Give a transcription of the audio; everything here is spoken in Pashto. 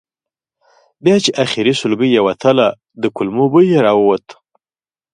بیا چې آخري سلګۍ یې وتله د کولمو بوی یې راووت.